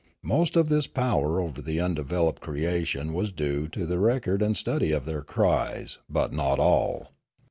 Most of this power over the undeveloped creation was due to the record and study of their cries; but not all.